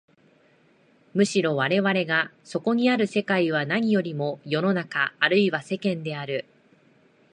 むしろ我々がそこにある世界は何よりも世の中あるいは世間である。